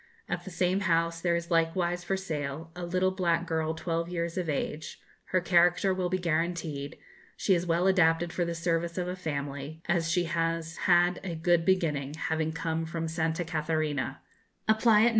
At the same house there is likewise for sale a little black girl 12 years of age: her character will be guaranteed; she is well adapted for the service of a family, as she has had a good beginning, having come from Santa Catharina; apply at No.